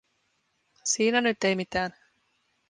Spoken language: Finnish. Siinä nyt ei mitään.